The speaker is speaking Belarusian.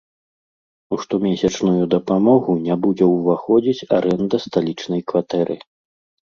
У штомесячную дапамогу не будзе ўваходзіць арэнда сталічнай кватэры.